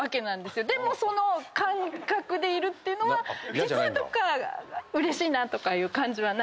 でもその感覚でいるというのは実はどっかうれしいなとかいう感じはないですか？